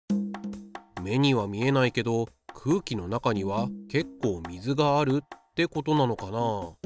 目には見えないけど空気の中には結構水があるってことなのかな。